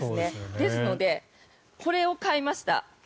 ですので、これを買いました。